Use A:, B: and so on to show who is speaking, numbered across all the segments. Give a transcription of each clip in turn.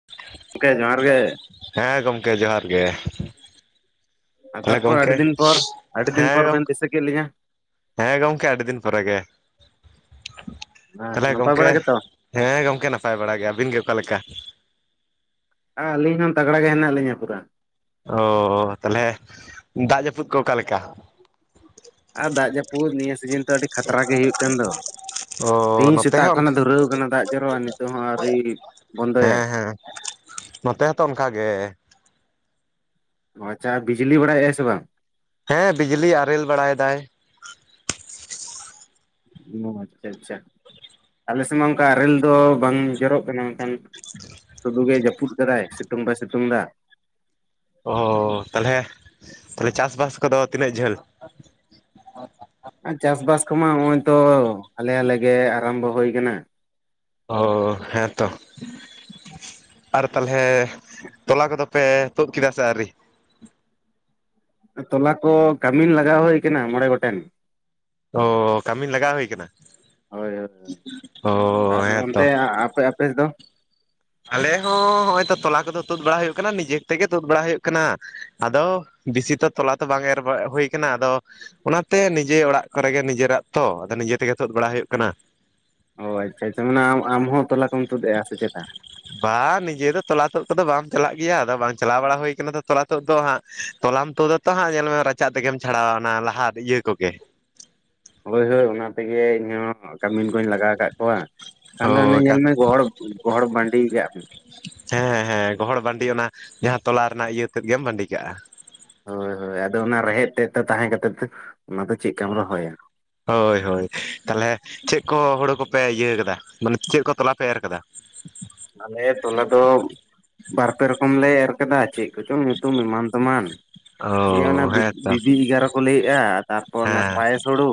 A: [inaudible]
B: ᱜᱚᱝᱠᱮ ᱡᱚᱦᱟᱨ ᱜᱮ ᱾
A: ᱦᱮᱸ ᱜᱚᱢᱠᱮ ᱡᱚᱦᱟᱨ ᱜᱮ ᱾
B: ᱟᱨ ᱛᱟᱨᱯᱚᱨ ᱟᱹᱰᱤ ᱫᱤᱱ ᱯᱚᱨ ᱟᱹᱰᱤ ᱫᱤᱱ
A: ᱦᱮᱸ
B: ᱯᱚᱨ
A: ᱜᱚᱢ
B: ᱵᱮᱱ ᱫᱤᱥᱟᱹ ᱠᱮᱫ ᱞᱤᱧᱟᱹ ᱾
A: ᱦᱮᱸ ᱜᱚᱝᱠᱮ ᱟᱹᱰᱤ ᱫᱤᱱ ᱯᱚᱨᱮ ᱜᱮ ᱛᱷᱟᱞᱮ
B: ᱱᱟᱯᱟᱭ
A: ᱜᱚᱢᱠᱮ
B: ᱵᱟᱲᱟ ᱜᱮᱛᱚ
A: ᱦᱮᱸ ᱜᱚᱝᱠᱮ ᱱᱟᱯᱟᱭ ᱵᱟᱲᱟ ᱜᱮ ᱟᱹᱵᱤᱱ ᱜᱮ ᱚᱠᱟ ᱞᱮᱠᱟ?
B: ᱟ ᱟᱹᱞᱤᱧ ᱦᱚᱸ ᱛᱟᱜᱽᱲᱟ ᱜᱮ ᱦᱮᱱᱟᱜ ᱞᱤᱧᱟ ᱯᱩᱨᱟ ᱾
A: ᱳ ᱛᱟᱞᱦᱮ ᱫᱟᱜ ᱡᱟᱹᱯᱩᱫ ᱠᱚ ᱚᱠᱟᱞᱮᱠᱟ?
B: ᱟᱨ ᱫᱟᱜ ᱡᱟᱹᱯᱩᱫ ᱱᱤᱭᱟᱹ ᱥᱤᱡᱤᱱ ᱛᱚ ᱟᱹᱰᱤ ᱠᱷᱟᱛᱨᱟ ᱜᱮ ᱦᱩᱭᱩᱜ ᱠᱟᱱ ᱫᱚ ᱾
A: ᱚ
B: ᱛᱮᱹᱦᱤᱧ
A: ᱱᱚᱛᱮ
B: ᱥᱮᱛᱟᱜ
A: ᱦᱚᱸ
B: ᱠᱷᱚᱱᱮ
A: ᱚᱱᱠᱟ
B: ᱫᱷᱩᱨᱟᱹᱣ ᱟᱠᱟᱱᱟ ᱫᱟᱜ ᱡᱚᱨᱚᱜᱼᱟ ᱱᱤᱛᱳᱜ ᱦᱚᱸ ᱟᱹᱣᱨᱤ ᱵᱚᱱᱫᱚᱭᱟ ᱾
A: ᱠᱤᱲᱤᱡ-ᱠᱚᱲᱚᱡ ᱱᱚᱛᱮ ᱦᱚᱸᱛᱚ ᱚᱱᱠᱟ ᱜᱮ ᱾
B: ᱟᱪᱷᱟ ᱵᱤᱡᱽᱞᱤ ᱵᱟᱲᱟᱭᱮᱜᱼᱟᱭ ᱥᱮ ᱵᱟᱝ?
A: ᱦᱮᱸ ᱵᱤᱡᱽᱞᱤ ᱟᱨᱮᱹᱞ ᱵᱟᱲᱟᱭ ᱫᱟᱭ ᱾
B: ᱳ ᱟᱪ-ᱪᱷᱟ ᱟᱪ-ᱪᱷᱟ, ᱟᱞᱮ ᱥᱮᱜᱢᱟ ᱚᱝᱠᱟ ᱟᱨᱮᱹᱞ ᱫᱚ ᱵᱟᱝ ᱡᱚᱨᱚᱜ ᱠᱟᱱᱟ ᱢᱮᱱᱠᱷᱟᱱ
A: ᱪᱤᱲᱤᱵᱤᱲᱤ-ᱪᱤᱲᱤ ᱾
B: ᱟᱫᱚ ᱜᱚᱝᱠᱮ ᱡᱟᱹᱯᱩᱫ ᱠᱟᱫᱟᱭ ᱥᱮᱹᱛᱳᱝ ᱵᱟᱭ ᱥᱹᱛᱳᱝ ᱫᱟ ᱾
A: ᱳ ᱦᱳ ᱦᱳ ᱛᱟᱞᱦᱮ, ᱛᱟᱞᱦᱮ ᱪᱟᱥᱵᱟᱥ ᱠᱚᱫᱚ ᱛᱤᱱᱟᱹᱜ ᱡᱷᱟᱹᱞ?
B: ᱟᱨ ᱪᱟᱥᱵᱟᱥ ᱠᱚᱢᱟ ᱱᱚᱜᱼᱚᱭ ᱛᱚ ᱦᱞᱮ ᱟᱞᱮᱜᱮ ᱟᱨᱟᱢᱵᱚ ᱦᱳᱭ ᱠᱟᱱᱟ ᱾
A: ᱳ ᱻ ᱦᱮᱸᱛᱚ ᱾ ᱥᱚᱯᱤᱝ ᱟᱨ ᱛᱟᱞᱦᱮ ᱛᱚᱞᱟ ᱠᱚᱫᱚ ᱯᱮ ᱛᱳᱫ ᱠᱮᱫᱟ ᱥᱮ ᱟᱹᱣᱨᱤ?
B: ᱛᱚᱞᱟ ᱠᱚ ᱠᱟᱹᱢᱤ ᱞᱟᱜᱟᱣ ᱦᱳᱭ ᱟᱠᱟᱱᱟ ᱢᱚᱬᱮ ᱜᱚᱴᱮᱱ ᱾
A: ᱳᱻ ᱠᱟᱹᱢᱤᱱ ᱞᱟᱜᱟᱣ ᱦᱳᱭ ᱟᱠᱟᱱᱟ ᱾
B: ᱦᱳᱭ ᱦᱳ ᱟᱨ
A: ᱦᱮᱸᱛᱚ
B: ᱚᱱᱛᱮ ᱟᱯᱮ-ᱟᱯᱮ ᱥ ᱫᱚ?
A: ᱟᱞᱮ ᱦᱚᱸ ᱚᱜᱼᱚᱭ ᱛᱚ ᱛᱚᱞᱟ ᱠᱚᱫᱚ ᱛᱳᱫ ᱵᱟᱲᱟ ᱦᱳᱭᱳᱜ ᱠᱟᱱᱟ ᱱᱤᱡᱮ ᱛᱮᱜᱮ ᱛᱳᱫ ᱵᱟᱲᱟ ᱦᱳᱭᱳᱜ ᱠᱟᱱᱟ ᱾ ᱟᱫᱚ ᱵᱤᱥᱤ ᱛᱚ ᱛᱚᱞᱟ ᱛᱚ ᱵᱟᱝ ᱮᱨ ᱵᱟᱦ ᱦᱳᱭ ᱠᱟᱱᱟ ᱟᱫᱚ ᱚᱱᱟᱛᱮ ᱱᱤᱡᱮᱹ ᱚᱲᱟᱜ ᱠᱚᱨᱮᱜᱮ ᱱᱤᱡᱮᱹᱨᱟᱜ ᱛᱚ ᱟᱫᱚ ᱱᱤᱡᱮᱹ ᱛᱮᱜᱮ ᱛᱳᱫ ᱵᱟᱲᱟ ᱦᱳᱭᱳᱜ ᱠᱟᱱᱟ ᱾
B: ᱦᱚᱭ ᱟᱪ-ᱪᱷᱟ ᱟᱪ-ᱪᱷᱟ, ᱢᱟᱱᱮ ᱟᱢ ᱟᱢ ᱦᱚᱸ ᱛᱚᱞᱟ ᱠᱚᱢ ᱛᱳᱫᱽ ᱮᱜ ᱟ ᱥᱮ ᱪᱮᱛᱟ?
A: ᱵᱟᱝ ᱱᱤᱡᱮ ᱫᱚ ᱛᱚᱞᱟ ᱛᱳᱫ ᱠᱚᱫᱚ ᱵᱟᱢ ᱪᱟᱞᱟᱜ ᱜᱮᱭᱟ ᱟᱫᱚ ᱵᱟᱝ ᱪᱟᱞᱟᱣ ᱵᱟᱲᱟ ᱦᱯᱭ ᱠᱟᱱᱟ ᱛᱚᱞᱟ ᱛᱳᱫ ᱫᱚ ᱦᱟᱸᱜ ᱛᱚᱞᱟᱢ ᱛᱳᱫᱟ ᱦᱟᱸᱜ ᱧᱮᱞ ᱢᱮ ᱨᱟᱪᱟᱜ ᱛᱮᱜᱮᱢ ᱪᱷᱟᱲᱟᱣᱟ ᱚᱱᱟ ᱞᱟᱦᱟ ᱤᱭᱟᱹ ᱠᱚᱜᱮ ᱾
B: ᱦᱳᱭ ᱦᱳᱭ ᱚᱱᱟ ᱛᱮᱜᱮ ᱤᱧᱦᱚᱸ ᱠᱟᱢᱤᱱ ᱠᱚᱧ ᱞᱟᱜᱟᱣ ᱟᱠᱟᱫ ᱠᱚᱣᱟ ᱠᱦᱚᱱ ᱫᱚ ᱚᱱᱮ
A: ᱦᱳᱭ
B: ᱧᱮᱞ
A: ᱠᱟ
B: ᱢᱮ ᱜᱚᱦᱚᱲ ᱜᱚᱦᱚᱲ ᱵᱟᱺᱰᱤ ᱠᱟᱜ ᱟᱢ ᱾
A: ᱦᱮᱸ ᱦᱮᱸ, ᱜᱚᱦᱚᱲ ᱵᱟᱺᱰᱤ ᱚᱱᱟ ᱡᱟᱦᱟᱸ ᱛᱚᱞᱟ ᱨᱮᱱᱟᱜ ᱤᱭᱟᱹᱛᱮᱫ ᱜᱮᱢ ᱵᱟᱺᱰᱤ ᱠᱟᱜᱼᱟ ᱾
B: ᱦᱳᱭ ᱦᱳᱭ ᱟᱫᱚ ᱚᱱᱟ ᱨᱮᱦᱮᱫ ᱛᱮᱫ ᱫᱚ ᱛᱟᱦᱮᱸ ᱠᱟᱛᱮ ᱚᱱᱟ ᱫᱚ ᱪᱮᱜ ᱠᱟᱢ ᱨᱚᱦᱚᱭᱟ ᱾
A: ᱦᱳᱭ ᱦᱳᱭ ᱛᱟᱞᱦᱮ ᱪᱮᱜ ᱠᱚ ᱦᱳᱲᱳ ᱠᱚᱯᱮ ᱤᱭᱟᱹ ᱠᱟᱫᱟ ᱢᱟᱱᱮ ᱪᱮᱜ ᱠᱚ ᱛᱚᱞᱟ ᱯᱮ ᱮᱨ ᱠᱟᱫᱟ?
B: ᱟᱞᱮ ᱛᱚᱞᱟ ᱫᱚᱢ ᱵᱟᱨᱯᱮ ᱨᱚᱠᱚᱢ ᱞᱮ ᱮᱨ ᱠᱟᱫᱟ ᱪᱮᱜ ᱠᱚᱪᱚᱝ ᱧᱩᱛᱩᱢ ᱮᱢᱟᱱ ᱛᱮᱢᱟᱱ ᱾ ᱪᱮᱜ ᱚᱱᱟ
A: ᱚ ᱦᱮᱸᱛᱚ
B: ᱵᱤᱵᱤ-ᱮᱜᱟᱨᱚ ᱠᱚ ᱞᱟᱹᱭᱮᱫᱼᱟ ᱛᱟᱨᱯᱚᱨ ᱚᱱᱟ ᱯᱟᱭᱮᱥ ᱦᱳᱲᱳ᱾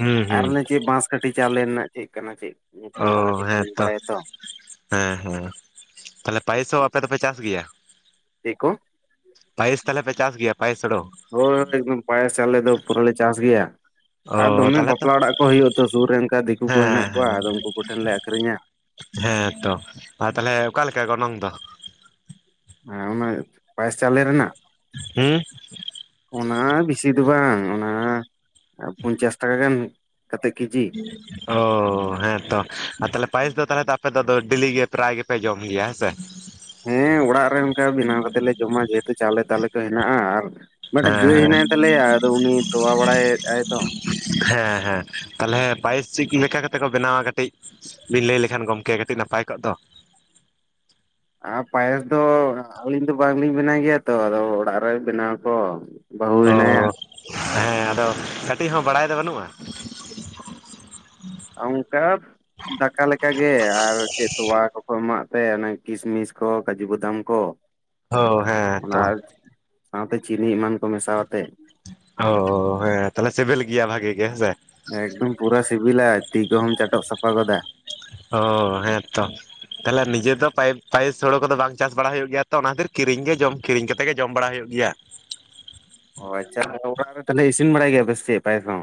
A: ᱦᱩ ᱦᱩ ᱺ
B: ᱪᱮᱜ ᱵᱟᱸᱥ ᱠᱷᱴᱷᱤ ᱪᱟᱣᱞᱮ ᱨᱮᱱᱟᱜ ᱪᱮᱜ ᱠᱟᱱᱟ ᱪᱮᱜ ᱧᱩᱛᱩᱢ ᱵᱷᱟᱞᱮᱹ
A: ᱚ
B: ᱴᱷᱤᱠ ᱵᱟᱹᱧ
A: ᱦᱮᱸᱛᱚ
B: ᱵᱟᱲᱟᱭᱟ ᱛᱚ ᱾
A: ᱦᱮᱸ ᱦᱮᱸ, ᱛᱟᱞᱦᱮ ᱯᱟᱭᱮᱥ ᱦᱚᱸ ᱟᱯᱮ ᱫᱚᱯᱮ ᱪᱟᱥ ᱜᱮᱭᱟ?
B: ᱪᱤ ᱠᱚᱸ?
A: ᱯᱟᱭᱮᱥ ᱛᱟᱞᱦᱮ ᱯᱮ ᱪᱟᱥ ᱜᱮᱭᱟ ᱯᱟᱭᱮᱥ ᱦᱳᱲᱳ ᱾
B: ᱦᱳᱭ ᱚᱱᱛᱮ ᱮᱠᱫᱚᱢ ᱯᱟᱭᱮᱥ ᱪᱟᱣᱞᱮᱹ ᱫᱚ ᱯᱩᱨᱟᱹ ᱞᱮ ᱪᱟᱥ ᱜᱮᱭᱟ ᱾ ᱟᱨ
A: ᱚ
B: ᱫᱚᱢᱮ
A: ᱛᱟᱦᱞᱮ ᱛᱚ
B: ᱵᱟᱯᱞᱟ ᱚᱲᱟᱜ ᱠᱚ ᱦᱩᱭᱩᱜ ᱫᱚ ᱥᱩᱨ ᱨᱮ ᱚᱱᱠᱟ ᱫᱤᱠᱩ ᱠᱚ ᱦᱮᱱᱟᱜ
A: ᱦᱮᱸ
B: ᱠᱚᱣᱟ ᱟᱫᱚ ᱩᱱᱠᱩ ᱠᱚᱴᱷᱮᱱ ᱞᱮ ᱟᱹᱠᱷᱨᱤᱧᱟ ᱾
A: ᱦᱮᱸᱛᱚ, ᱟᱨ ᱛᱟᱞᱦᱮ ᱚᱠᱟᱞᱮᱠᱟ ᱜᱚᱱᱚᱝ ᱫᱚ?
B: ᱦᱮᱸ ᱚᱱᱟ ᱯᱟᱭᱮᱥ ᱪᱟᱣᱞᱮᱹᱨᱮᱱᱟᱜ?
A: ᱦᱩᱸᱦ
B: ᱚᱱᱟ ᱵᱤᱥᱤ ᱫᱚ ᱵᱟᱝ ᱚᱱᱟ ᱟ ᱯᱚᱧᱪᱟᱥ ᱴᱟᱠᱟ ᱜᱟᱱ ᱠᱟᱛᱮᱜ ᱠᱮᱡᱤ ᱾
A: ᱳᱻ ᱦᱮᱸᱛᱚ ᱟᱨ ᱛᱟᱞᱦᱮ ᱯᱟᱭᱮᱥ ᱫᱚ ᱛᱟᱞᱦᱮ ᱫᱚ ᱟᱯᱮ ᱰᱮᱹᱞᱤ ᱜᱮ ᱯᱨᱟᱭ ᱜᱮᱯᱮ ᱡᱚᱢ ᱜᱮᱭᱟ ᱦᱮᱸ ᱥᱮ ᱾
B: ᱦᱮᱸ ᱚᱲᱟᱜ ᱨᱮ ᱚᱱᱠᱟ ᱵᱮᱱᱟᱣ ᱠᱟᱛᱮ ᱞᱮ ᱡᱚᱢᱟ ᱡᱮᱹᱦᱮᱹᱛᱩ ᱪᱟᱣᱞᱮᱹ ᱛᱟᱣᱟᱞᱮᱹ ᱠᱚ ᱦᱮᱱᱟᱜᱼᱟ ᱟᱨ ᱢᱤᱫᱴᱮᱱ
A: ᱦᱮᱸ
B: ᱜᱟᱹᱭ
A: ᱦᱮᱸ
B: ᱦᱮᱱᱟᱭ ᱛᱟᱞᱮᱭᱟ ᱟᱫᱚ, ᱩᱱᱤ ᱛᱚᱣᱟ ᱵᱟᱲᱟᱭᱮᱫ ᱟᱭ ᱛᱚ ᱾
A: ᱦᱮᱸ ᱦᱮᱸ ᱛᱟᱦᱚᱞᱮ ᱵᱟᱭᱤᱥ ᱪᱮᱫ ᱞᱮᱠᱟ ᱠᱟᱛᱮᱫ ᱠᱚ ᱵᱮᱱᱟᱣᱟ ᱠᱟᱹᱴᱤᱡ ᱵᱤᱱ ᱞᱟᱹᱭ ᱞᱮᱠᱷᱟᱱ ᱜᱚᱢᱠᱮ ᱠᱟᱹᱴᱤᱡ, ᱱᱟᱯᱟᱭ ᱠᱚᱜ ᱫᱚ?
B: ᱟᱨ ᱯᱟᱭᱮᱥ ᱫᱚ ᱟᱹᱞᱤᱧ ᱫᱚ ᱵᱟᱝᱞᱤᱧ ᱵᱮᱱᱟᱣ ᱜᱮᱭᱟ ᱛᱚ, ᱟᱫᱚ ᱚᱲᱟᱜ ᱨᱮ ᱵᱮᱱᱟᱣ ᱠᱚ ᱵᱟᱹᱦᱩ
A: ᱚ
B: ᱦᱮᱱᱟᱭᱟ
A: ᱦᱮᱸ ᱟᱫᱚ ᱠᱟᱹᱴᱤᱡ ᱦᱚᱸ, ᱵᱟᱲᱟᱭ ᱫᱚ ᱵᱟᱹᱱᱩᱜᱼᱟ?
B: ᱚᱝᱠᱟ ᱫᱟᱠᱟ ᱞᱮᱠᱟᱜ ᱜᱮ ᱟᱨ, ᱪᱮᱫ ᱛᱚᱣᱟ ᱠᱚᱠᱚ ᱮᱢᱟᱜ ᱛᱮ ᱚᱱᱟ ᱠᱤᱥᱢᱤᱥ ᱠᱚ ᱠᱟᱡᱩ ᱵᱟᱫᱟᱢ ᱠᱚ ᱾
A: ᱚ ᱦᱮᱸ
B: ᱚᱱᱟ
A: ᱛᱚ
B: ᱥᱟᱶᱛᱮ ᱪᱤᱱᱤ ᱮᱢᱟᱱ ᱠᱚ ᱢᱮᱥᱟᱣᱟᱛᱮ ᱾
A: ᱚ ᱦᱮᱸ ᱛᱟᱦᱚᱞᱮ ᱥᱤᱵᱮᱞ ᱜᱮᱭᱟ ᱵᱷᱟᱜᱮ ᱜᱮ ᱦᱮᱸᱥᱮ ᱾
B: ᱮᱠᱫᱚᱢ ᱯᱩᱨᱟ ᱥᱤᱵᱤᱞᱟ ᱛᱤ ᱠᱚᱦᱚᱢ ᱪᱟᱴᱚᱜ ᱥᱟᱯᱷᱟ ᱜᱚᱫᱟ ᱾
A: ᱚ ᱦᱮᱸᱛᱚ ᱾ ᱛᱟᱦᱚᱞᱮ ᱱᱤᱡᱮ ᱫᱚ ᱯᱟᱭᱮᱥ ᱦᱳᱲᱳ ᱠᱚᱫᱚ ᱵᱟᱝ ᱪᱟᱥ ᱵᱟᱲᱟ ᱦᱳᱭᱳᱜ ᱜᱮᱭᱟ ᱛᱚ, ᱚᱱᱟ ᱠᱷᱟᱹᱛᱤᱨ ᱠᱤᱨᱤᱧ ᱜᱮ ᱡᱚᱢ ᱠᱤᱨᱤᱧ ᱠᱟᱛᱮ ᱜᱮ ᱡᱚᱢ ᱵᱟᱲᱟ ᱦᱳᱭᱳᱜ ᱜᱮᱭᱟ ᱾
B: ᱚ ᱟᱪᱪᱷᱟ ᱟᱨᱦᱚ ᱚᱲᱟᱜ ᱨᱮ ᱛᱟᱦᱚᱞᱮ, ᱤᱥᱤᱱ ᱵᱟᱲᱟᱭ ᱜᱮᱭᱟ ᱯᱮ ᱥᱤᱠᱤ ᱯᱟᱭᱥ ᱦᱚᱸ?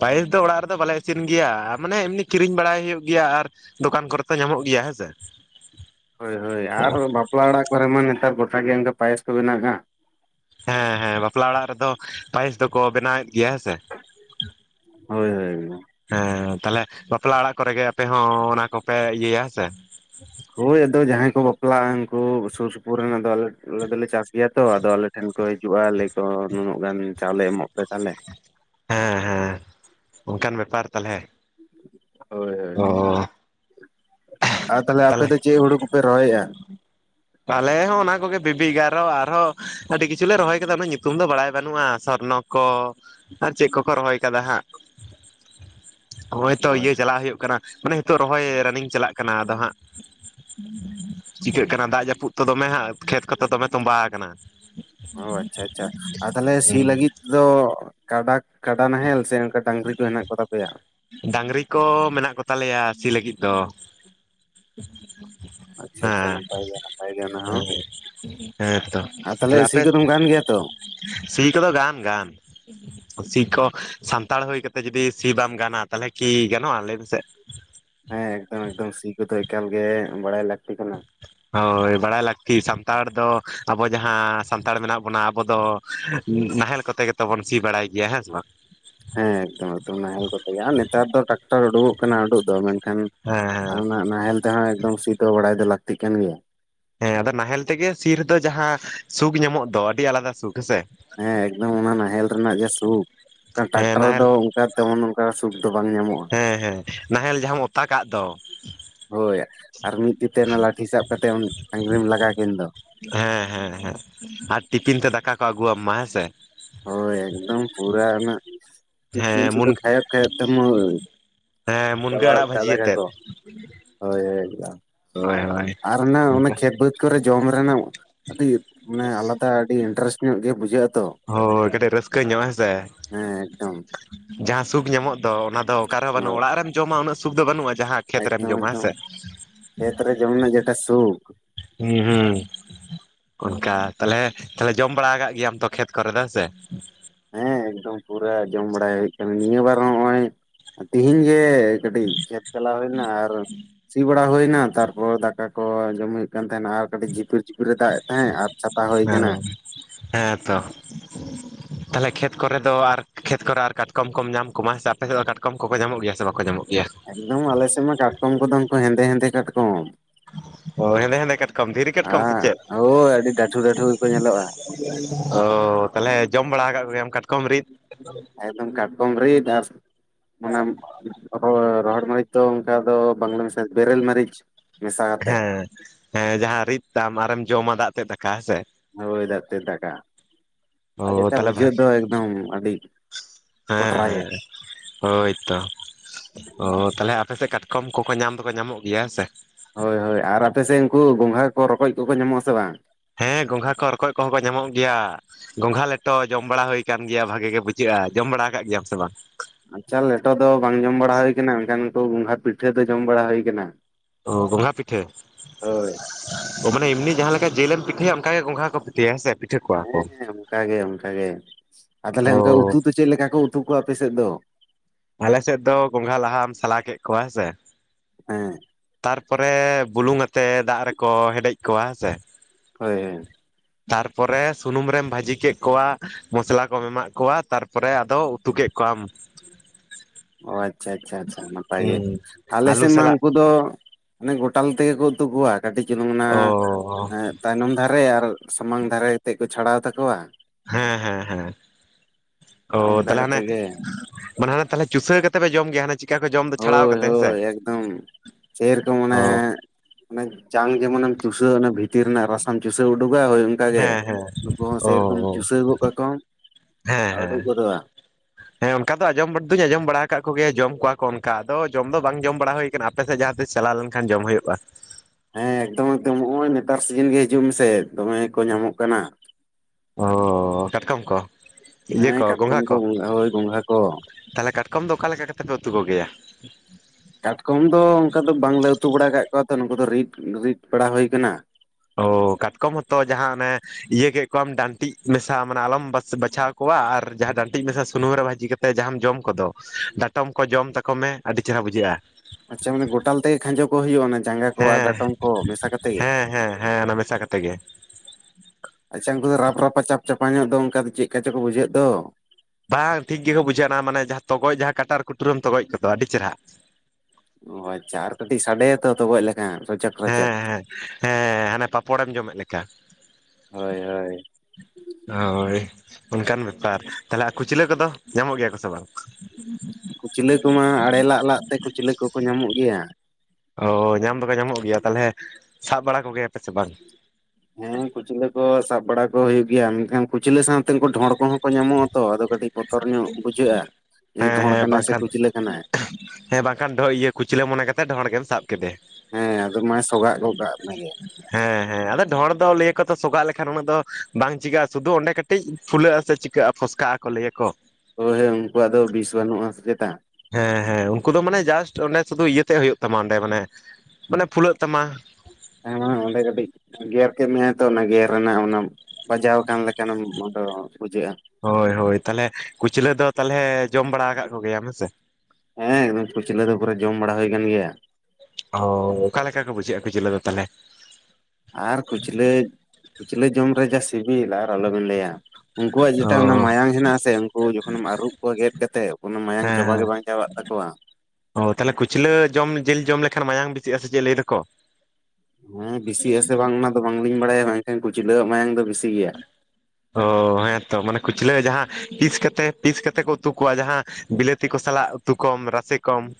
A: ᱯᱟᱭᱮᱥ ᱫᱚ ᱚᱲᱟᱜ ᱨᱮᱫᱚ ᱵᱟᱞᱮ ᱤᱥᱤᱱ ᱜᱮᱭᱟ, ᱟᱨ ᱢᱟᱱᱮ ᱮᱢᱱᱤ ᱠᱤᱨᱤᱧ ᱵᱟᱲᱟᱭ ᱦᱳᱭᱳᱜ ᱜᱮᱭᱟ᱾ ᱟᱨ ᱫᱚᱠᱟᱱ ᱠᱚᱨᱮ ᱛᱚ, ᱧᱟᱢᱚᱜ ᱜᱮᱭᱟ ᱦᱮᱸ ᱥᱮ ᱾
B: ᱦᱳᱭ ᱦᱳᱭ ᱟᱨ ᱵᱟᱯᱞᱟ ᱚᱲᱟᱜ ᱠᱚᱨᱮ ᱢᱟ, ᱱᱮᱛᱟᱨ ᱜᱚᱴᱟ ᱜᱮ ᱚᱱᱠᱟ ᱯᱟᱭᱮᱥ ᱠᱚ ᱵᱮᱱᱟᱣ ᱦᱟᱸᱜ ᱾
A: ᱦᱮᱸ ᱦᱮᱸ ᱵᱟᱯᱞᱟ ᱚᱲᱟᱜ ᱨᱮᱫᱚ, ᱯᱟᱭᱤᱥ ᱫᱚᱠᱚ ᱵᱮᱱᱟᱣᱮᱫ ᱜᱮᱭᱟ ᱦᱮᱸᱥᱮ ᱾
B: ᱦᱳᱭ, ᱦᱳᱭ ᱮᱠᱫᱚᱢ᱾
A: ᱦᱮᱸ ᱛᱟᱦᱚᱞᱮ ᱵᱟᱯᱞᱟ ᱚᱲᱟᱜ ᱠᱚᱨᱮ ᱜᱮ, ᱟᱯᱮ ᱦᱚᱸ ᱚᱱᱟ ᱠᱚᱯᱮ ᱤᱭᱟᱹᱭᱟ ᱦᱮᱸ ᱥᱮ?
B: ᱦᱳᱭ ᱟᱫᱚ ᱡᱟᱦᱟᱸᱭ ᱠᱚ ᱵᱟᱯᱞᱟᱜᱼᱟ, ᱩᱱᱠᱩ ᱥᱩᱨ ᱥᱩᱯᱩᱨ ᱨᱮᱱᱫᱚ ᱟᱞᱮ ᱟᱞᱮ ᱫᱚᱞᱮ ᱪᱟᱥ ᱜᱮᱭᱟ ᱛᱚ, ᱟᱫᱚ ᱟᱞᱮ ᱴᱷᱮᱱ ᱠᱚ ᱦᱤᱡᱩᱜᱼᱟ᱾ ᱞᱟᱹᱭᱟᱠᱚ ᱱᱩᱱᱟᱹᱜ ᱜᱟᱱ ᱪᱟᱣᱞᱮ ᱮᱢᱚᱜ ᱯᱮ ᱛᱟᱦᱚᱞᱮ ᱾
A: ᱦᱮᱸ ᱦᱮᱸ ᱚᱱᱠᱟᱱ ᱵᱮᱯᱟᱨ ᱛᱟᱦᱚᱞᱮ ᱾
B: ᱦᱳᱭ ᱦᱳᱭ ᱟᱨ ᱛᱟᱦᱚᱞᱮ ᱟᱯᱮ ᱫᱚ ᱪᱮᱫ ᱦᱩᱲᱩ ᱠᱚᱯᱮ ᱨᱚᱦᱚᱭᱮᱜᱼᱟ?
A: ᱟᱞᱮ ᱦᱚᱸ ᱚᱱᱟ ᱠᱚᱜᱮ ᱵᱤᱵᱤ ᱮᱜᱟᱨ, ᱟᱨᱦᱚᱸ ᱟᱹᱰᱤ ᱠᱤᱪᱷᱩ ᱞᱮ ᱨᱚᱦᱚᱭ ᱠᱟᱫᱟ, ᱩᱱᱟᱹᱜ ᱧᱩᱛᱩᱢ ᱫᱚ ᱵᱟᱲᱟᱭ ᱵᱟᱹᱱᱩᱜᱼᱟ᱾ ᱥᱚᱨᱱᱚ ᱠᱚ ᱟᱨ ᱪᱮᱫ ᱠᱚᱠᱚ ᱨᱚᱦᱚᱭ ᱠᱟᱫᱟ ᱦᱟᱸᱜ᱾
B: [inaudible] [inaudible]
A: ᱦᱚᱜᱼᱚᱭ
B: ᱚ
A: ᱛᱚ ᱤᱭᱟᱹ
B: ᱟᱪᱪᱷᱟ
A: ᱪᱟᱞᱟᱣ ᱦᱳᱭᱳᱜ ᱠᱟᱱᱟ᱾ ᱢᱟᱱᱮ ᱦᱤᱛᱚᱜ ᱨᱚᱦᱚᱭ ᱨᱟᱱᱤᱝ ᱪᱟᱞᱟᱜ ᱠᱟᱱᱟ᱾ ᱟᱫᱚ ᱦᱟᱸᱜ ᱪᱤᱠᱟᱹᱜ ᱠᱟᱱᱟ ᱫᱟᱜ ᱡᱟ ᱡᱟᱹᱯᱩᱫ ᱛᱚ ᱫᱚᱢᱮ ᱦᱟᱸᱜ, ᱠᱷᱮᱛ ᱠᱚᱛᱮ ᱫᱚᱢᱮ ᱛᱚᱸᱵᱟ ᱠᱟᱱᱟ᱾
B: ᱚ ᱟᱪᱪᱷᱟ ᱟᱪᱪᱷᱟ, ᱟᱨ ᱛᱟᱦᱚᱞᱮ ᱥᱤ ᱞᱟᱹᱜᱤᱫ ᱫᱚ ᱠᱟᱰᱟ-ᱠᱟᱰᱟ ᱱᱟᱦᱮᱞ ᱥᱮ, ᱚᱱᱠᱟ ᱰᱟᱝᱨᱤ ᱠᱚ ᱦᱮᱱᱟᱜ ᱠᱚᱛᱟ ᱯᱮᱭᱟ?
A: ᱰᱟᱝᱨᱤ ᱠᱚ ᱢᱮᱱᱟᱜ ᱠᱚᱛᱟᱞᱮᱭᱟ ᱥᱤ ᱞᱟᱹᱜᱤᱫ ᱫᱚ᱾
B: ᱟᱪᱪᱷᱟ ᱟᱪᱪᱷᱟ
A: ᱦᱮᱸ
B: ᱱᱟᱯᱟᱭ ᱜᱮᱭᱟ, ᱱᱟᱯᱟᱭ ᱜᱮᱭᱟ ᱚᱱᱟ ᱦᱚᱸ᱾
A: ᱦᱮᱸᱛᱚ
B: ᱟᱨ ᱛᱟᱦᱚᱞᱮ
A: ᱛᱟᱦᱞᱮ ᱟᱯᱮ
B: ᱥᱤ ᱠᱚᱫᱚᱢ ᱠᱟᱱ ᱜᱮᱭᱟ ᱛᱚ?
A: ᱥᱤ ᱠᱚᱫᱚ ᱜᱟᱱ ᱜᱟᱱ, ᱥᱤ ᱠᱚ ᱥᱟᱱᱛᱟᱲ ᱦᱳᱭ ᱠᱟᱛᱮ ᱡᱩᱫᱤ ᱥᱤ ᱵᱟᱢ ᱜᱟᱱᱼᱟ ᱛᱟᱦᱚᱞᱮ ᱠᱤ ᱜᱟᱱᱚᱜᱼᱟ, ᱞᱟᱹᱭ ᱢᱮᱥᱮ?
B: ᱦᱮᱸ ᱮᱠᱫᱚᱢ ᱮᱠᱫᱚᱢ ᱥᱤ ᱠᱚᱫᱚ, ᱮᱠᱟᱞ ᱜᱮ ᱵᱟᱲᱟᱭ ᱞᱟᱹᱠᱛᱤ ᱠᱟᱱᱟ᱾
A: ᱦᱳᱭ ᱵᱟᱲᱟᱭ ᱞᱟᱹᱠᱛᱤ ᱥᱟᱱᱛᱟᱲ ᱫᱚ, ᱟᱵᱚ ᱡᱟᱦᱟᱸ ᱥᱟᱱᱛᱟᱲ ᱢᱮᱱᱟᱜ ᱵᱚᱱᱟ ᱟᱵᱚ ᱫᱚ᱾ ᱱᱟᱦᱮᱞ ᱠᱚᱛᱮ ᱜᱮᱛᱚ ᱵᱚᱱ ᱥᱤ ᱵᱟᱲᱟᱭ ᱜᱮᱭᱟ ᱦᱮᱸᱥᱮ ᱵᱟᱝ?
B: ᱦᱮᱸ ᱮᱠᱫᱚᱢ ᱮᱠᱫᱚᱢ ᱱᱟᱦᱮᱞ ᱠᱚᱛᱮ ᱜᱮ, ᱱᱮᱛᱟᱨ ᱫᱚ ᱴᱨᱟᱠᱴᱟᱨ ᱩᱰᱩᱠᱚᱜ ᱠᱟᱱᱟ ᱩᱰᱩᱠ ᱫᱚ ᱢᱮᱱᱠᱷᱟᱱ
A: ᱦᱮᱸ
B: ᱟᱨ
A: ᱦᱮᱸ
B: ᱚᱱᱟ ᱱᱟᱦᱮᱞ ᱛᱮᱦᱚᱸ, ᱮᱠᱫᱚᱢ ᱥᱤ ᱫᱚ ᱵᱟᱲᱟᱭ ᱫᱚ ᱞᱟᱹᱠᱛᱤ ᱠᱟᱱ ᱜᱮᱭᱟ᱾
A: ᱦᱮᱸ ᱟᱫᱚ ᱱᱟᱦᱮᱞ ᱛᱮᱜᱮ, ᱥᱤ ᱨᱮᱫᱚ ᱡᱟᱦᱟᱸ ᱥᱩᱠ ᱧᱟᱢᱚᱜ ᱫᱚ, ᱟᱹᱰᱤ ᱟᱞᱟᱫᱟ ᱥᱩᱠ ᱦᱮᱸᱥᱮ?
B: ᱦᱮᱸ ᱮᱠᱫᱚᱢ ᱚᱱᱟ ᱱᱟᱦᱮᱞ ᱨᱮᱱᱟᱜ ᱜᱮ ᱥᱩᱠ,
A: ᱦᱮᱸ
B: ᱴᱨᱟᱠᱴᱟᱨ
A: ᱱᱟᱦᱮᱞ
B: ᱨᱮᱫᱚ ᱠᱟ ᱛᱮᱢᱚᱱ ᱚᱱᱠᱟ ᱥᱩᱠ ᱫᱚ ᱵᱟᱝ ᱧᱟᱢᱚᱜᱼᱟ᱾
A: ᱦᱮᱸ ᱦᱮᱸ ᱱᱟᱦᱮᱞ ᱡᱟᱦᱟᱸᱟᱢ ᱚᱛᱟ ᱠᱟᱜ ᱫᱚ
B: ᱦᱳᱭ ᱟᱨ ᱢᱤᱫ ᱫᱤᱛᱮ ᱚᱱᱟ ᱞᱟᱴᱷᱤ ᱥᱟᱵ ᱠᱟᱛᱮ ᱰᱟᱝᱨᱤᱢ ᱞᱟᱜᱟ ᱠᱤᱱ ᱫᱚ᱾
A: ᱦᱮᱸ ᱦᱮᱸ ᱦᱮᱸ ᱟᱨ ᱴᱤᱯᱷᱤᱱ ᱛᱮ ᱫᱟᱠᱟ ᱠᱚ ᱟᱹᱜᱩᱣᱟᱢᱟ ᱦᱮᱸᱥᱮ᱾
B: ᱦᱳᱭ ᱮᱠᱫᱚᱢ ᱯᱩᱨᱟ ᱩᱱᱟᱹᱜ ᱴᱤᱯᱷᱤᱱ
A: ᱦᱮᱸ ᱢᱩᱱ
B: ᱥᱩᱫᱷᱟ ᱠᱷᱟᱭᱚᱜ ᱠᱷᱟᱭᱚᱜ ᱛᱮ ᱢᱟᱨ
A: ᱦᱮᱸ ᱢᱩᱱᱜᱟᱹ
B: ᱪᱟᱵᱟ ᱜᱚᱫ
A: ᱟᱲᱟᱜ
B: ᱠᱟᱜᱼᱟ
A: ᱵᱷᱟᱹᱡᱤ
B: ᱫᱟᱠᱟ
A: ᱟᱛᱮᱫ
B: ᱠᱚ᱾ ᱦᱳᱭ ᱦᱳᱭ ᱮᱠᱫᱚᱢ
A: ᱦᱳᱭ ᱦᱳᱭ
B: ᱟᱨ ᱚᱱᱟ ᱚᱱᱟ
A: ᱚᱱᱠᱟ
B: ᱠᱷᱮᱛ ᱵᱟᱹᱫᱽᱼᱼ ᱠᱚᱨᱮ ᱡᱚᱢ ᱨᱮᱱᱟᱜ ᱟᱹᱰᱤ ᱢᱟᱱᱮ ᱟᱞᱟᱫᱟ ᱟᱹᱰᱤ ᱤᱱᱴᱟᱨᱮᱥᱴ ᱧᱚᱜ ᱜᱮ ᱵᱩᱡᱷᱟᱹᱜᱼᱼ
A: ᱦᱳᱭ ᱠᱟᱹᱴᱤᱡ ᱨᱟᱹᱥᱠᱟᱹ ᱧᱚᱜᱼᱟ ᱦᱮᱸᱥᱮ
B: ᱦᱮᱸ ᱮᱠᱫᱚᱢ᱾
A: ᱡᱟᱦᱟᱸ ᱥᱩᱠ ᱧᱟᱢᱚᱜ ᱫᱚ ᱚᱱᱟ ᱫᱚ ᱚᱠᱟᱨᱦᱚᱸ ᱵᱟᱹᱱᱩᱜᱼᱟ
B: ᱦᱳᱭ
A: ᱚᱲᱟᱜ ᱨᱮᱢ ᱡᱚᱢᱟ ᱩᱱᱟᱹᱜ ᱥᱩᱠ ᱫᱚ ᱵᱟᱹᱱᱩᱜᱼᱟ ᱡᱟᱦᱟᱸᱼᱼ
B: ᱮᱠᱫᱚᱢ ᱮᱠᱫᱚᱢ ᱠᱷᱮᱛ ᱨᱮ ᱡᱮᱢᱚᱱ ᱡᱮᱴᱟ ᱥᱩᱠᱼᱼ
A: ᱦᱩᱸ ᱦᱩᱸ ᱚᱱᱠᱟ ᱛᱟᱦᱚᱞᱮ ᱛᱟᱦᱞᱮ ᱡᱚᱢ ᱵᱟᱲᱟ ᱠᱟᱜ ᱜᱮᱭᱟᱢ ᱛᱚ ᱠᱷᱮᱛ ᱠᱚᱨᱮ ᱫᱚ ᱦᱮᱸ ᱥᱮ᱾
B: ᱦᱮᱸ ᱮᱠᱫᱚᱢ ᱯᱩᱨᱟᱹ ᱡᱚᱢ ᱵᱟᱲᱟᱭ ᱦᱩᱭᱩᱜ ᱠᱟᱱᱟ ᱱᱤᱭᱟᱹ ᱵᱟᱨ ᱱᱚᱜᱼᱚᱭ ᱛᱤᱦᱤᱧ ᱜᱮᱼᱼ ᱠᱟᱹᱴᱤᱡ ᱠᱷᱮᱛ ᱪᱟᱞᱟᱣ ᱦᱩᱭᱱᱟ ᱟᱨᱼᱼ ᱥᱤ ᱵᱟᱲᱟ ᱦᱩᱭᱱᱟ ᱛᱟᱨᱯᱚᱨ ᱫᱟᱠᱟ ᱠᱚ ᱡᱚᱢ ᱦᱩᱭᱩᱜ ᱠᱟᱱ ᱛᱟᱦᱮᱱᱟ ᱟᱨ ᱠᱟᱹᱴᱤᱡ ᱡᱷᱤᱯᱤᱨᱼᱼ ᱫᱟᱜ ᱮᱫ ᱛᱟᱦᱮᱸᱜ ᱟᱨ ᱪᱷᱟᱯᱟ ᱦᱩᱭ ᱟᱠᱟᱱᱟ᱾
A: ᱦᱮᱸᱛᱚ,
B: [inaudible]
A: ᱛᱟᱦᱚᱞᱮ ᱠᱷᱮᱛ ᱠᱚᱨᱮ ᱫᱚ ᱟᱨ ᱠᱷᱮᱛ ᱠᱚᱨᱮ ᱟᱨ ᱠᱟᱴᱠᱚᱢ ᱠᱚᱢ ᱧᱟᱢ ᱠᱚᱢᱟ ᱥᱮ ᱟᱯᱮ ᱥᱮᱫ ᱫᱚ ᱠᱟᱴᱠᱚᱢ ᱠᱚᱠᱚ ᱧᱟᱢᱚᱜ ᱜᱮᱭᱟ ᱥᱮ ᱵᱟᱠᱚ ᱧᱟᱢᱚᱜ ᱜᱮᱭᱟ?
B: ᱮᱠᱫᱚᱢ ᱟᱞᱮ ᱥᱮᱫ ᱢᱟ ᱠᱟᱴᱠᱚᱢ ᱠᱚᱫᱚ ᱢᱟ ᱦᱮᱸᱫᱮ ᱦᱮᱸᱫᱮ ᱠᱟᱴᱠᱚᱢ᱾
A: ᱚ ᱦᱮᱸᱫᱮ ᱦᱮᱸᱫᱮ ᱠᱟᱴᱠᱚᱢ ᱫᱷᱤᱨᱤ ᱠᱟᱴᱠᱚᱢ ᱥᱮ
B: ᱦᱮᱸ
A: ᱪᱮᱫ
B: ᱦᱳᱭ ᱟᱹᱰᱤ ᱰᱟᱹᱴᱷᱩᱼ ᱰᱟᱹᱴᱷᱩ ᱜᱮᱠᱚ ᱧᱮᱞᱚᱜᱼᱟ᱾
A: ᱚ ᱛᱟᱦᱚᱞᱮ ᱡᱚᱢ ᱵᱟᱲᱟ ᱟᱠᱟᱫ ᱠᱚᱜᱮᱭᱟᱢ ᱠᱟᱴᱠᱚᱢ ᱨᱤᱫᱼᱼ
B: ᱮᱠᱫᱚᱢ ᱠᱟᱴᱠᱚᱢ ᱨᱤᱫ ᱟᱨᱼᱼ ᱢᱟᱱᱮ ᱨᱚᱦᱚᱲ ᱢᱟᱹᱨᱤᱪ ᱫᱚ ᱚᱱᱠᱟ ᱫᱚ ᱵᱟᱝᱞᱮ ᱢᱮᱥᱟ ᱵᱮᱨᱮᱞ ᱢᱟᱹᱨᱤᱪᱼᱼ
A: ᱦᱮᱸ ᱦᱮᱸ ᱡᱟᱦᱟᱸ ᱨᱤᱫ ᱛᱟᱢ ᱟᱨᱮᱢ ᱡᱚᱢᱟ ᱫᱟᱜ ᱛᱮᱫ ᱫᱟᱠᱟ ᱦᱮᱸᱥᱮᱼᱼ
B: ᱦᱳᱭ ᱫᱟᱜ ᱛᱮᱫ ᱫᱟᱠᱟ᱾ ᱟᱨ
A: ᱚ
B: ᱡᱮᱴᱟ
A: ᱛᱟᱦᱚᱞᱮ
B: ᱵᱩᱡᱷᱟᱹᱜ
A: ᱵᱷᱟᱜᱮ
B: ᱫᱚ ᱮᱠᱫᱚᱢ ᱟᱹᱰᱤ ᱠᱚᱴᱨᱟ ᱜᱮ
A: ᱦᱳᱭᱛᱚ ᱚ ᱛᱟᱦᱚᱞᱮ ᱟᱯᱮ ᱥᱮᱫ ᱠᱟᱴᱠᱚᱢ ᱠᱚᱠᱚ ᱧᱟᱢ ᱫᱚᱠᱚ ᱧᱟᱢᱚᱜ ᱜᱮᱭᱟ ᱦᱮᱸ ᱥᱮ?
B: ᱦᱳᱭ ᱦᱳᱭ ᱟᱨ ᱟᱯᱮ ᱥᱮᱫ ᱩᱱᱠᱩ ᱜᱚᱸᱜᱷᱟ ᱠᱚ ᱨᱚᱠᱚᱡ ᱠᱚᱠᱚ ᱧᱟᱢᱚᱜ ᱟᱥᱮ ᱵᱟᱝ?
A: ᱦᱮᱸ ᱜᱚᱝᱜᱷᱟ ᱠᱚ, ᱨᱚᱠᱚᱡ ᱠᱚ ᱦᱚᱸ ᱠᱚ ᱧᱟᱢᱚᱜ ᱜᱮᱭᱟ। ᱜᱚᱝᱜᱷᱟ ᱞᱮᱴᱚ ᱡᱚᱢ ᱵᱟᱲᱟ ᱦᱩᱭ ᱠᱟᱱ ᱜᱮᱭᱟ ᱵᱷᱟᱜᱮ ᱜᱮ ᱵᱩᱡᱷᱟᱹᱜᱼᱟ ᱡᱚᱢ ᱵᱟᱲᱟ ᱟᱠᱟᱫ ᱜᱮᱭᱟᱢ ᱥᱮ ᱵᱟᱝ?
B: ᱟᱪᱪᱷᱟ ᱞᱮᱴᱚ ᱫᱚ ᱵᱟᱝ ᱡᱚᱢ ᱵᱟᱲᱟ ᱦᱩᱭ ᱟᱠᱟᱱᱟ, ᱢᱮᱱᱱᱠᱷᱟᱱ ᱩᱱᱠᱩ ᱜᱚᱸᱜᱷᱟ ᱯᱤᱴᱷᱟᱹ ᱫᱚ ᱡᱚᱢ ᱵᱟᱲᱟ ᱦᱩᱭ ᱟᱠᱟᱱᱟ।
A: ᱚ ᱜᱚᱸᱜᱷᱟ ᱯᱤᱴᱷᱟᱹ?
B: ᱦᱳᱭ।
A: ᱚ ᱢᱟᱱᱮ ᱮᱢᱱᱤ ᱡᱟᱦᱟᱸ ᱞᱮᱠᱟ ᱡᱤᱞᱮᱢ ᱯᱤᱴᱷᱭᱟ ᱚᱱᱠᱟ ᱜᱮ ᱜᱚᱝᱜᱷᱟ ᱠᱚ ᱯᱤᱴᱷᱭᱟ ᱦᱮᱸ ᱥᱮ ᱞᱤᱼᱼ
B: ᱦᱮᱸ ᱚᱱᱠᱟ ᱜᱮ ᱚᱱᱠᱟ ᱜᱮ ᱟᱨ ᱛᱟᱦᱚᱞᱮ
A: ᱚ
B: ᱚᱱᱠᱟ ᱩᱛᱩ ᱫᱚ ᱪᱮᱫ ᱞᱮᱠᱟ ᱠᱚ ᱩᱛᱩ ᱠᱚᱣᱟ ᱟᱯᱮ ᱥᱮᱫ ᱫᱚ?
A: ᱟᱞᱮ ᱥᱮᱫ ᱫᱚ ᱜᱚᱝᱜᱷᱟ ᱞᱟᱦᱟᱢ ᱥᱟᱞᱟ ᱠᱮᱫ ᱠᱚᱣᱟ ᱦᱮᱸ ᱥᱮ।
B: ᱦᱮᱸ।
A: ᱛᱟᱨᱯᱚᱨᱮ ᱵᱩᱞᱩᱝ ᱟᱛᱮᱜ ᱫᱟᱜ ᱨᱮᱠᱚ ᱦᱮᱰᱮᱡ ᱠᱚᱣᱟ ᱦᱮᱸ ᱥᱮ।
B: ᱦᱳᱭ ᱦᱳᱭ।
A: ᱛᱟᱨ ᱯᱚᱨᱮ ᱥᱩᱱᱩᱢ ᱨᱮᱢ ᱵᱷᱟᱹᱡᱤ ᱠᱮᱫ ᱠᱚᱣᱟ ᱢᱚᱥᱞᱟ ᱠᱚᱢ ᱮᱢᱟᱜ ᱠᱚᱣᱟ ᱛᱟᱨᱯᱚᱨᱮ ᱟᱫᱚ ᱩᱛᱩ ᱠᱮᱫ ᱠᱚᱣᱟᱢ।
B: ᱚ ᱟᱪᱪᱷᱟ ᱟᱪᱪᱷᱟ ᱟᱪᱪᱷᱟ ᱱᱟᱯᱟᱭ ᱜᱮ
A: ᱦᱩᱸ
B: ᱟᱞᱮ
A: ᱟᱹᱞᱩ
B: ᱥᱮᱫ ᱢᱟ
A: ᱥᱟᱞᱟᱜ
B: ᱩᱱᱠᱩ ᱫᱚ ᱢᱟᱱᱮ ᱜᱚᱴᱟᱞ ᱛᱮᱜᱮ ᱠᱚ ᱩᱛᱩ ᱠᱚᱣᱟ ᱠᱟᱹᱴᱤᱡ ᱪᱩᱞᱩᱝ ᱚᱱᱟ
A: ᱚ
B: ᱮᱼᱼ ᱛᱟᱭᱱᱚᱢ ᱫᱷᱟᱨᱮ ᱟᱨ ᱥᱟᱢᱟᱝ ᱫᱷᱟᱨᱮ ᱛᱮᱫ ᱠᱚ ᱪᱷᱟᱲᱟᱣ ᱛᱟᱠᱚᱣᱟ।
A: ᱦᱮᱸ ᱦᱮᱸ ᱦᱮᱸ ᱚ
B: ᱚᱱᱠᱟ
A: ᱛᱟᱦᱚᱞᱮ ᱚᱱᱮ
B: ᱠᱟᱛᱮᱜ ᱜᱮ
A: ᱢᱟᱱᱮ ᱦᱱᱮ ᱛᱟᱦᱞᱮ ᱪᱩᱥᱟᱹᱣ ᱠᱟᱛᱮ ᱯᱮ ᱡᱚᱢ ᱜᱮᱭᱟ ᱦᱟᱱᱮ ᱪᱩ
B: ᱦᱳᱭ ᱦᱳᱭ ᱮᱠᱫᱚᱢ ᱥᱮᱨᱚᱠᱚᱢ ᱚᱱᱮ ᱟᱱᱮ ᱡᱟᱝ ᱡᱮᱢᱚᱱ ᱮᱢ ᱪᱩᱥᱟ ᱮ ᱵᱷᱤᱛᱤᱨ ᱨᱮᱱᱟᱜ ᱨᱟᱥᱟᱢ ᱪᱩᱥᱟ ᱩᱰᱩᱜᱟ ᱦᱳᱭ ᱚᱝ ᱚᱱᱠᱟ ᱜᱮ
A: ᱦᱮᱸ ᱦᱮᱸ
B: ᱱᱩᱠᱩ ᱦᱚᱸ
A: ᱚ
B: ᱥᱮᱨᱚᱠᱚᱢ
A: ᱚ
B: ᱪᱩᱥᱟᱹᱣ ᱜᱚᱫ ᱠᱟᱠᱚ
A: ᱦᱮᱸ
B: ᱟᱢ ᱩᱰᱩᱠ
A: ᱦᱮᱸ
B: ᱜᱚᱫᱚᱜᱼᱟ।
A: ᱦᱮᱸ ᱚᱱᱠᱟ ᱫᱚ ᱟᱸᱚᱢ ᱫᱚᱩᱧ ᱟᱸᱡᱚᱢ ᱵᱟᱲᱟ ᱟᱠᱟᱫ ᱠᱚᱜᱮᱭᱟ ᱡᱚᱢ ᱠᱚᱣᱟ ᱠᱚ ᱚᱱᱠᱟ ᱟᱫᱚ ᱡᱚᱢ ᱫᱚ ᱵᱟᱝ ᱡᱚᱢ ᱵᱟᱲᱟ ᱦᱩᱭ ᱠᱟᱱᱟ। ᱟᱯᱮ ᱥᱮᱫ ᱡᱟᱦᱟᱸ ᱛᱤᱥ ᱪᱟᱞᱟᱣ ᱞᱮᱱᱠᱷᱟᱱ ᱡᱚᱢ ᱦᱩᱭᱩᱜᱼᱟ।
B: ᱦᱮᱸ ᱮᱠᱫᱚᱢ ᱮᱠᱫᱚᱢ ᱱᱚᱜᱼᱚᱭ ᱱᱮᱛᱟᱨ ᱥᱤᱡᱤᱱ ᱜᱮ ᱦᱤᱡᱩᱜ ᱢᱮᱥᱮ ᱫᱚᱢᱮ ᱠᱚ ᱧᱟᱢᱚᱜ ᱠᱟᱱᱟ।
A: ᱚ ᱠᱟᱴᱠᱚᱢ ᱠᱚ?
B: ᱦᱮᱸ ᱠᱟᱴᱠᱚᱢ ᱠᱚ ᱜᱚᱝᱜᱟ ᱦᱳᱭ ᱜᱚᱝᱜᱷᱟ ᱠᱚ।
A: ᱛᱟᱦᱚᱞᱮ ᱠᱟᱴᱠᱚᱢ ᱫᱚ ᱚᱠᱟ ᱞᱮᱠᱟ ᱠᱟᱛᱮ ᱯᱮ ᱩᱛᱩ ᱠᱚᱜᱮᱭᱟ।
B: ᱠᱟᱴᱠᱚᱢ ᱫᱚ ᱚᱱᱠᱟ ᱫᱚ ᱵᱟᱝᱞᱮ ᱩᱛᱩ ᱵᱟᱲᱟ ᱟᱠᱟᱫ ᱠᱚᱣᱟ ᱛᱚ ᱱᱩᱠᱩ ᱫᱚ ᱨᱤᱫ ᱨᱤᱫ ᱵᱟᱲᱟ ᱦᱩᱭ ᱠᱟᱱᱟ।
A: ᱚ ᱠᱟᱴᱠᱚᱢ ᱦᱚᱛᱚ ᱡᱟᱦᱟᱸ ᱚᱱᱮ ᱤᱭᱟᱹ ᱠᱮᱫ ᱠᱚᱣᱟᱢ ᱰᱟᱱᱴᱤᱜ ᱢᱮᱥᱟ ᱢᱟᱱᱮ ᱟᱞᱚᱢ ᱵᱟᱪᱷᱟᱣ ᱠᱚᱣᱟ ᱟᱨ ᱡᱟᱦᱟᱸ ᱰᱟᱱᱴᱤᱜ ᱢᱮᱥᱟ ᱥᱩᱱᱩᱢ ᱨᱮ ᱵᱷᱟᱹᱡᱤ ᱠᱟᱛᱮᱜ ᱛᱮ ᱡᱟᱦᱟᱢ ᱡᱚᱢ ᱠᱚᱫᱚ ᱰᱟᱴᱚᱢ ᱠᱚ ᱡᱚᱢ ᱛᱟᱠᱚ ᱢᱮ ᱟᱹᱰᱤ ᱪᱮᱦᱚᱨᱟ ᱵᱩᱡᱷᱟᱹᱜᱼᱟ।
B: ᱟᱪᱪᱷᱟ ᱢᱟᱱᱮ ᱜᱚᱴᱟᱞ ᱛᱮ ᱠᱷᱟᱸᱡᱚ ᱠᱚ ᱦᱩᱭᱩᱜᱼᱟ ᱚᱱᱟ ᱡᱟᱸᱜᱟ ᱠᱚ ᱟᱨ
A: ᱦᱮᱸ
B: ᱰᱟᱴᱚᱢ ᱠᱚ ᱢᱮᱥᱟ ᱠᱟᱛᱮ ᱜᱮ?
A: ᱦᱮᱸ ᱦᱮᱸ ᱦᱮᱸ ᱚᱱᱟ ᱢᱮᱥᱟ ᱠᱟᱛᱮ ᱜᱮ
B: ᱟᱪᱪᱷᱟ ᱩᱱᱠᱩ ᱫᱚ ᱨᱟᱯ ᱨᱟᱯᱟ ᱪᱟᱯ ᱪᱟᱯᱟ ᱧᱚᱜ ᱫᱚ ᱚᱱᱠᱟ ᱫᱚ ᱪᱮᱫ ᱞᱮᱠᱟ ᱪᱚᱝ ᱠᱚ ᱵᱩᱡᱷᱟᱹᱜ ᱫᱚ।
A: ᱵᱟᱝ ᱴᱷᱤᱠ ᱜᱮᱠᱚ ᱵᱩᱡᱷᱟᱹᱜ ᱮᱱᱟ ᱢᱟᱱᱮ ᱡᱟᱦᱟᱸ ᱛᱚᱜᱚᱡ ᱡᱟᱦᱟᱸ ᱠᱟᱴᱟᱨ ᱠᱩᱴᱩᱨᱮᱢ ᱛᱚᱜᱚᱡ ᱠᱚᱫᱚ ᱟᱹᱰᱤ ᱪᱮᱨᱦᱟ ᱾
B: ᱚ ᱟᱪᱪᱷᱟ ᱟᱨ ᱠᱟᱹᱴᱤᱡ ᱥᱟᱰᱮᱭᱟ ᱛᱚ ᱛᱚᱜᱚᱡ ᱞᱮᱠᱟᱱ।
A: ᱦᱮᱸ ᱦᱮᱸ ᱦᱮᱸ ᱦᱟᱱᱮ ᱯᱟᱯᱚᱲᱮᱢ ᱡᱚᱢᱮᱫ ᱞᱮᱠᱟ।
B: ᱦᱳᱭ ᱦᱳᱭ
A: ᱦᱳᱭ ᱚᱱᱠᱟᱱ ᱵᱮᱯᱟᱨ ᱛᱟᱦᱚᱞᱮ ᱟᱨ ᱠᱷᱩᱪᱞᱟᱹ ᱠᱚᱫᱚ ᱧᱟᱢᱚᱜ ᱜᱮᱭᱟ ᱠᱚ ᱥᱮ ᱵᱟᱝ?
B: ᱠᱩᱪᱞᱟᱹ ᱠᱚᱢᱟ ᱟᱲᱮ ᱞᱟᱜ ᱞᱟᱜ ᱛᱮ ᱠᱩᱪᱞᱟᱹ ᱠᱚᱠᱚ ᱧᱟᱢᱚᱜ ᱜᱮᱭᱟ।
A: ᱚ ᱧᱟᱢ ᱫᱚᱠᱚ ᱧᱟᱢᱚᱜ ᱜᱮᱭᱟ ᱛᱟᱦᱚᱞᱮ ᱥᱟᱵ ᱵᱟᱲᱟ ᱠᱚᱜᱮᱭᱟᱯᱮ ᱥᱮ ᱵᱟᱝ?
B: ᱦᱮᱸ ᱠᱷᱩᱪᱤᱞᱟ ᱠᱚ ᱥᱟᱵ ᱵᱟᱲᱟ ᱠᱚ ᱦᱩᱭᱩᱜ ᱜᱮᱭᱟ ᱢᱮᱱᱠᱦᱟᱱ ᱠᱷᱩᱪᱤᱞᱟ ᱥᱟᱶ ᱛᱮ ᱩᱱᱠᱩ ᱰᱷᱚᱲ ᱠᱚᱦᱚᱸ ᱠᱚ ᱧᱟᱢᱚᱜᱼᱟ ᱛᱚ ᱟᱫᱚ ᱠᱟᱹᱴᱤᱡ ᱵᱚᱛᱚᱨ ᱧᱚᱜ ᱵᱩᱡᱷᱟᱹᱜᱼᱟ। ᱮᱸ
A: ᱦᱮᱸ
B: ᱰᱷᱚᱸᱲ
A: ᱦᱮᱸ
B: ᱠᱟᱱᱟᱭ ᱥᱮ
A: ᱵᱟᱝᱠᱷᱟᱱ
B: ᱠᱩᱪᱞᱟᱹ ᱠᱟᱱᱟᱭ?
A: ᱦᱮᱸ ᱵᱟᱝᱠᱷᱟᱱ ᱤᱭᱟᱹ ᱠᱷᱩᱪᱞᱟᱹ ᱢᱚᱱᱮ ᱠᱟᱛᱮᱜ ᱰᱷᱚᱲ ᱜᱮᱢ ᱥᱟᱵ ᱠᱮᱫᱮ।
B: ᱦᱮᱸ ᱟᱫᱚ ᱢᱟᱭ ᱥᱚᱜᱟᱜ ᱜᱚ ᱠᱟᱜ ᱢᱮᱜᱮ।
A: ᱦᱮᱸ ᱦᱮᱸ ᱟᱫᱚ ᱰᱷᱚᱲ ᱫᱚ ᱞᱟᱹᱭ ᱟᱠᱚ ᱥᱚᱜᱟᱜ ᱞᱮᱠᱷᱟᱱ ᱩᱱᱟᱹᱜ ᱫᱚ ᱵᱟᱝ ᱪᱤᱠᱟᱹᱜᱼᱟ ᱥᱩᱫᱷᱩ ᱚᱸᱰᱮ ᱠᱟᱹᱴᱤᱡ ᱠᱟᱹᱴᱤᱡ ᱯᱷᱩᱞᱟᱹᱜᱼᱟ ᱥᱮ ᱪᱤᱠᱟᱹᱜᱼᱟ ᱯᱷᱚᱥᱠᱟᱜ ᱟᱠᱚ ᱞᱟᱹᱭᱟ ᱠᱚ।
B: ᱦᱳᱭ ᱦᱳᱭ ᱩᱱᱠᱩᱣᱟᱜ ᱫᱚ ᱵᱤᱥ ᱵᱟᱹᱱᱩᱜ ᱟ ᱥᱮ ᱪᱮᱛᱟ
A: ᱦᱮᱸ ᱦᱮᱸ ᱩᱱᱠᱩ ᱫᱚ ᱢᱟᱱᱮ ᱡᱟᱥᱴ ᱚᱸᱰᱮ ᱥᱩᱫᱩ ᱤᱭᱟᱹᱛᱮ ᱦᱩᱭᱩᱜ ᱛᱟᱢᱟ ᱚᱸᱰᱮ ᱢᱟᱱᱮ ᱯᱷᱩᱞᱟᱹᱜ ᱛᱟᱢᱟ।
B: ᱦᱮᱸ ᱚᱸᱰᱮ ᱠᱟᱹᱴᱤᱡ ᱜᱮᱨ ᱠᱮᱜ ᱢᱮᱟᱭ ᱛᱚ ᱚᱱᱟ ᱜᱮᱨ ᱨᱮᱱᱟᱜ ᱚᱱᱟ ᱵᱟᱡᱟᱣ ᱟᱠᱟᱱ ᱞᱮᱠᱷᱟᱱᱮᱢ ᱚᱰᱮ ᱵᱩᱡᱷᱟᱹᱜᱼᱟ ᱾
A: ᱦᱳᱭ ᱦᱳᱭ ᱛᱟᱦᱚᱞᱮ ᱠᱩᱪᱞᱟᱹ ᱫᱚ ᱛᱟᱦᱚᱞᱮ ᱡᱚᱢ ᱵᱟᱲᱟ ᱟᱠᱟᱫ ᱠᱚᱜᱮᱭᱟ ᱦᱮᱸ ᱥᱮ?
B: ᱦᱮᱸ ᱮᱠᱫᱚᱢ ᱠᱩᱪᱞᱟᱹ ᱫᱚ ᱯᱩᱨᱟᱹ ᱡᱚᱢ ᱵᱟᱲᱟ ᱦᱩᱭ ᱠᱟᱱ ᱜᱮᱭᱟ ᱾
A: ᱚ ᱚᱠᱟ ᱞᱮᱠᱟ ᱠᱚ ᱵᱩᱡᱷᱟᱹᱜᱼᱟ ᱠᱩᱪᱞᱟᱹ ᱫᱚ ᱛᱟᱦᱚᱞᱮ ᱾
B: ᱟᱨ ᱠᱩᱩᱪᱞᱟᱹ ᱠᱩᱪᱞᱟᱹ ᱡᱚᱢ ᱨᱮ ᱡᱟ ᱥᱤᱵᱤᱞ ᱟᱨ ᱟᱞᱚᱵᱤᱱ ᱞᱟᱹᱭᱟ ᱾ ᱩᱱᱠᱩᱣᱟᱜ ᱡᱮᱴᱟ ᱚᱱᱟ
A: ᱚ
B: ᱢᱟᱭᱟᱝ ᱦᱮᱱᱟᱜ-ᱟ ᱥᱮ ᱩᱱᱠᱩ ᱡᱚᱠᱷᱚᱱᱮᱢ ᱟᱹᱨᱩᱵ ᱠᱚᱣᱟ ᱜᱮᱫ ᱠᱟᱛᱮᱜ ᱚᱱᱟ ᱢᱟᱭᱟᱝ
A: ᱦᱮᱸ
B: ᱪᱟᱵᱟ
A: ᱦᱮᱸ
B: ᱜᱮ ᱵᱟᱝ ᱪᱟᱵᱟᱜ ᱛᱟᱠᱚᱣᱟ ᱾
A: ᱚ ᱛᱟᱦᱚᱞᱮ ᱠᱩᱪᱞᱟᱹ ᱡᱚᱢ ᱡᱤᱞ ᱡᱚᱢ ᱞᱮᱠᱷᱟᱱ ᱢᱟᱭᱟᱝ ᱵᱮᱥᱤᱜᱼᱟ ᱥᱮ ᱪᱮᱫ ᱞᱟᱹᱭ ᱫᱚ ᱠᱚ ᱾
B: ᱦᱮᱸ ᱵᱮᱥᱤᱜ-ᱟ ᱥᱮ ᱵᱟᱝ ᱚᱱᱟ ᱫᱚ ᱵᱟᱝ ᱞᱤᱧ ᱵᱟᱲᱟᱭᱟ ᱢᱮᱱᱠᱷᱟᱱ ᱠᱩᱪᱞᱟᱹᱣᱟᱜ ᱢᱟᱭᱟᱝ ᱫᱚ ᱵᱮᱥᱤ ᱜᱮᱭᱟ ᱾
A: ᱚ ᱦᱮᱸᱛᱚ ᱢᱟᱱᱮ ᱠᱷᱩᱪᱞᱟᱹ ᱡᱟᱦᱟᱸ ᱯᱤᱥ ᱠᱟᱛᱮ ᱯᱤᱥ ᱠᱟᱛᱮ ᱠᱚ ᱩᱛᱩ ᱠᱚᱣᱟ ᱡᱟᱦᱟᱸ ᱵᱤᱞᱟᱹᱛᱤ ᱠᱚ ᱥᱟᱞᱟᱜ ᱩᱛᱩ ᱠᱚᱢ ᱨᱟᱥᱮ ᱠᱚᱢ ᱾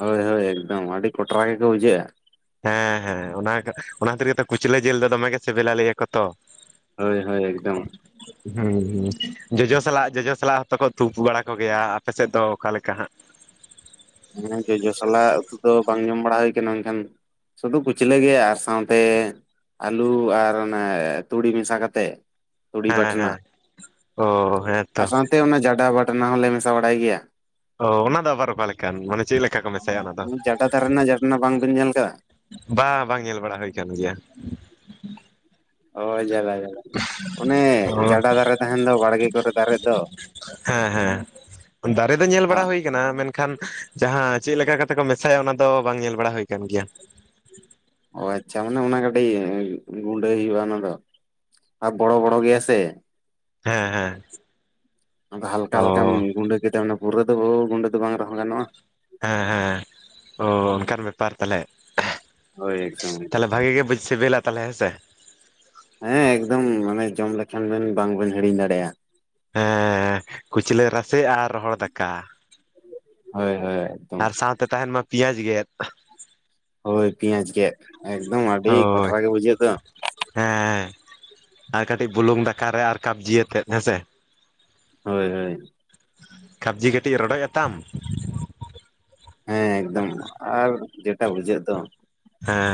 B: ᱦᱳᱭ ᱦᱳᱭ ᱮᱠᱫᱚᱢ ᱟᱹᱰᱤ ᱠᱚᱴᱨᱟ ᱜᱮ ᱠᱚ ᱵᱩᱡᱷᱟᱹᱜᱼᱟ
A: ᱦᱮᱸ ᱦᱮᱸ ᱚᱱᱟ, ᱚᱱᱟ ᱠᱷᱟᱹᱛᱤᱨ ᱜᱮᱛᱚ ᱠᱩᱪᱞᱟᱹ ᱡᱤᱞ ᱫᱚᱢᱮ ᱥᱤᱵᱤᱞᱟ ᱾ᱞᱟᱹᱭᱟ ᱟᱠᱚ ᱛᱚ᱾
B: ᱦᱳᱭ ᱦᱳᱭ ᱮᱠᱫᱚᱢ᱾
A: ᱦᱮᱸ ᱦᱮᱸ ᱡᱚᱡᱚ ᱥᱟᱞᱟᱜ, ᱡᱚᱡᱚ ᱥᱟᱞᱟᱜ, ᱦᱚᱛᱚ ᱠᱚ ᱩᱛᱩᱯ ᱵᱟᱲᱟ ᱠᱚᱜᱮᱭ-ᱟ᱾ ᱟᱯᱮ ᱥᱮᱫ ᱫᱚ ᱚᱠᱟ ᱞᱮᱠᱟ ᱦᱟᱸᱜ?
B: ᱦᱮᱸ ᱡᱚᱡᱚ ᱥᱞᱟᱜ ᱩᱛᱩ ᱫᱚ ᱵᱟᱝ ᱡᱚᱢ ᱵᱟᱲᱟ ᱦᱩᱭ ᱠᱟᱱᱟ ᱢᱮᱱᱠᱷᱟᱱ ᱥᱩᱫᱩ ᱠᱩᱪᱞᱟᱹᱜ ᱜᱮ, ᱟᱨ ᱥᱟᱶᱛᱮ ᱟᱹᱞᱩ ᱟᱨ ᱚᱱᱮ, ᱛᱩᱲᱤ ᱢᱮᱥᱟ ᱠᱟᱛᱮᱫ ᱛᱩᱲᱤ
A: ᱦᱮᱸ
B: ᱵᱟᱴᱱᱟ,
A: ᱦᱮᱸ ᱚ ᱦᱮᱸᱛᱚ
B: ᱟᱨ ᱥᱟᱶᱛᱮ ᱚᱱᱟ ᱡᱟᱰᱟ ᱵᱟᱴᱱᱟ ᱦᱚᱸᱞᱮ ᱢᱮᱥᱟ ᱵᱟᱲᱟᱭ ᱜᱮᱭᱟ᱾
A: ᱚ ᱚᱱᱟ ᱫᱚ ᱟᱵᱟᱨ ᱚᱠᱟ ᱞᱮᱠᱟᱱ᱾ ᱢᱟᱱᱮ ᱪᱮᱫ ᱞᱮᱠᱟ ᱠᱚ ᱢᱮᱥᱟᱭᱟ ᱚᱱᱟ ᱫᱚ
B: ᱡᱟᱰᱟ ᱫᱟᱨᱮ ᱨᱮᱱᱟᱜ ᱡᱟᱴᱟᱱᱟ ᱵᱟᱝᱵᱤᱱ ᱧᱮᱞ ᱟᱠᱟᱫᱟ᱾
A: ᱵᱟ ᱵᱟᱝ ᱧᱮᱞ ᱵᱟᱲᱟ ᱦᱩᱭ ᱠᱟᱱ ᱜᱮᱭᱟ᱾
B: ᱚ ᱡᱟᱞᱟ - ᱡᱟᱞᱟ᱾ ᱚᱱᱮ
A: ᱚ
B: ᱡᱟᱰᱟ ᱫᱟᱨᱮ ᱛᱟᱦᱮᱱ ᱫᱚᱸ ᱵᱟᱲᱜᱮ ᱠᱚᱨᱮ ᱫᱟᱨᱮᱜ ᱫᱚ᱾
A: ᱦᱮᱸ ᱦᱮᱸ ᱫᱟᱨᱮ ᱫᱚ ᱧᱮᱞ ᱵᱟᱲᱟ ᱦᱩᱭ ᱢᱮᱱᱠᱷᱟᱱ ᱡᱟᱦᱟᱸ ᱪᱮᱫ ᱞᱮᱠᱟ ᱠᱟᱛᱮ ᱠᱚ ᱢᱮᱥᱟᱭ-ᱟ᱾ ᱚᱱᱟ ᱫᱚ ᱵᱟᱝ ᱧᱮᱞ ᱵᱟᱲᱟ ᱦᱩᱭ ᱠᱟᱱ ᱜᱮᱭᱟ᱾
B: ᱚ ᱟᱪᱪᱷᱟ ᱢᱟᱱᱮ ᱚᱱᱟ ᱠᱟᱹᱴᱤᱡ ᱜᱩᱸᱰᱟᱹᱭ ᱦᱩᱭᱩᱜᱼᱟ ᱚᱱᱟ ᱫᱚ᱾ ᱟᱨ ᱵᱚᱲ ᱵᱚᱲ ᱜᱮᱭᱟ ᱥᱮ?
A: ᱦᱮᱸ ᱦᱮᱸ
B: ᱟᱫᱚ ᱦᱟᱞᱠᱟ
A: ᱚ
B: ᱦᱟᱞᱠᱟᱢ ᱜᱩᱸᱰᱟᱹ ᱠᱮᱫᱟ᱾ ᱯᱩᱨᱟᱹ ᱫᱚ [unintelligible] ᱜᱩᱸᱟᱹ ᱫᱚ ᱵᱟᱝ ᱨᱮᱦᱚᱸ ᱜᱟᱱᱚᱜᱼᱟ᱾
A: ᱦᱮᱸ ᱦᱮᱸ ᱚᱸ ᱚᱱᱠᱟᱱ ᱵᱮᱯᱟᱨ ᱛᱟᱦᱚᱞᱮ?
B: ᱦᱳᱭ ᱮᱠᱫᱚᱢ - ᱮᱠᱫᱚᱢ᱾
A: ᱛᱟᱦᱚᱞᱮ ᱵᱷᱟᱜᱤ ᱜᱮ ᱵᱩᱡ ᱥᱤᱵᱤᱞᱟ ᱛᱟᱦᱚᱞᱮ ᱦᱮᱸᱥᱮ
B: ᱦᱮᱸ ᱮᱠᱫᱚᱢ ᱢᱟᱱᱮ ᱡᱚᱢ ᱞᱮᱠᱷᱟᱱ, ᱵᱮᱱ ᱵᱟᱝᱵᱮᱱ ᱦᱤᱲᱤᱧ ᱫᱟᱲᱮᱭᱟᱜᱼᱟ᱾
A: ᱦᱮᱸ ᱠᱩᱪᱞᱟᱹ ᱨᱟᱥᱮ ᱟᱨ ᱨᱚᱦᱚᱲ ᱫᱟᱠᱟ᱾
B: ᱦᱳᱭ ᱦᱳᱭ ᱮᱠᱫᱚᱢ
A: ᱟᱨ ᱥᱟᱶᱛᱮ ᱛᱟᱦᱮᱱ ᱢᱟ᱾ ᱯᱮᱸᱭᱟᱡᱽ ᱜᱮᱫ᱾
B: ᱦᱳᱭ ᱯᱤᱸᱭᱟᱡᱽ ᱜᱮᱫ, ᱮᱠᱫᱚᱢ ᱟᱹᱰᱤ ᱠᱚᱴᱨᱟ ᱜᱮ ᱵᱩᱡᱷᱟᱹᱜ ᱫᱚ᱾
A: ᱦᱮᱸ ᱦᱮᱸ ᱟᱨ ᱠᱟᱹᱴᱤᱡ ᱵᱩᱞᱩᱝ ᱫᱟᱠᱟᱨᱮ, ᱟᱨ ᱠᱟᱵᱽᱡᱤ ᱟᱛᱮᱫ ᱦᱮᱸᱥᱮ
B: ᱦᱳᱭ ᱦᱳᱭ
A: ᱠᱟᱵᱽᱡᱤ ᱠᱟᱹᱴᱤᱡ ᱨᱚᱰᱚᱡ ᱟᱛᱟᱢ
B: ᱦᱮᱸ ᱮᱠᱫᱚᱢ ᱟᱨ ᱡᱮᱴᱟᱜ ᱵᱩᱡᱷᱟᱹᱜ ᱫᱚ᱾
A: ᱦᱮᱸ